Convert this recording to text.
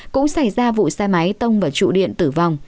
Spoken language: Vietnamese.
cũng xảy ra vụ xe máy tông vào trụ điện tử vong